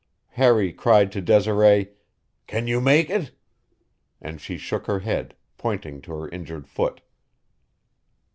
Harry cried to Desiree, "Can you make it?" and she shook her head, pointing to her injured foot.